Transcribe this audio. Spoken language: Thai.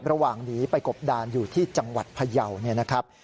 ระหว่างนี้ไปกบดานอยู่ที่จังหวัดพะเยาว์นะครับ